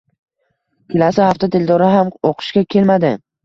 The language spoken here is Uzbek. Kelasi hafta Dildora ham oʻqishga kelmadi.